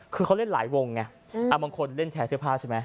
คือเขาเล่นหลายวงไงบางคนเล่นแชร์เสื้อผ้าใช่ไหม